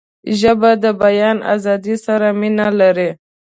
ژبه د بیان آزادۍ سره مینه لري